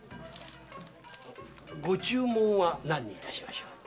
ご注文は何にいたしましょう？